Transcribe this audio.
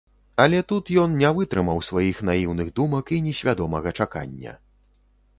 Але тут ён не вытрымаў сваіх наіўных думак і несвядомага чакання.